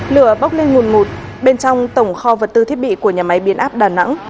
lửa bốc lên nguồn ngụt bên trong tổng kho vật tư thiết bị của nhà máy biến áp đà nẵng